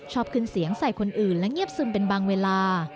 ขึ้นเสียงใส่คนอื่นและเงียบซึมเป็นบางเวลา